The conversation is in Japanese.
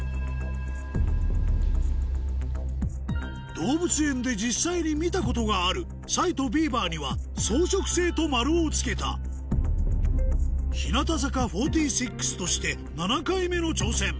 動物園で実際に見たことがあるサイとビーバーには草食性と丸を付けた日向坂４６として７回目の挑戦